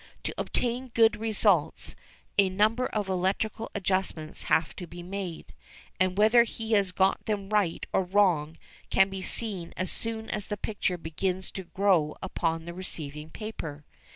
To obtain good results, a number of electrical adjustments have to be made, and whether he has got them right or wrong can be seen as soon as the picture begins to grow upon the receiving paper.